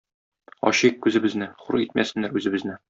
Ачыйк күзебезне, хур итмәсеннәр үзебезне.